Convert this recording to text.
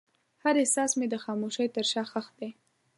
هر احساس مې د خاموشۍ تر شا ښخ دی.